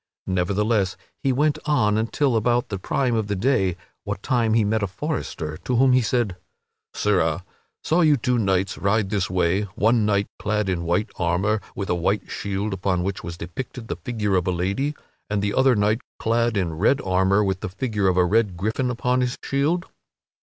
Nevertheless, he went on until about the prime of the day, what time he met a forester, to whom he said: "Sirrah, saw you two knights ride this way one knight clad in white armor with a white shield upon which was depicted the figure of a lady, and the other knight clad in red armor with the figure of a red gryphon upon his shield?"